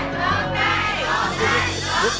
ไม่ได้อีกแล้ว